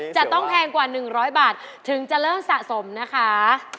แพงกว่า๑๐๐บาทถึงจะเริ่มสะสมนะคะ